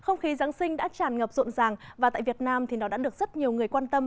nhưng đã tràn ngập rộn ràng và tại việt nam thì nó đã được rất nhiều người quan tâm